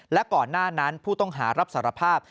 และก่อนหน้านั้นผู้ต้องหารับสารภาพ